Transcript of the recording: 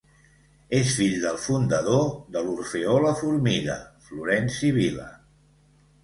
És fill del fundador de l'Orfeó La Formiga Florenci Vila.